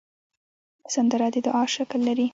سندره د دعا شکل لري